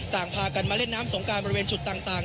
ต่างพากันมาเล่นน้ำสงการบริเวณจุดต่าง